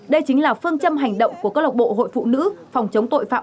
đây chính là phương châm hành động của cơ lộc bộ hội phụ nữ phòng chống tội phạm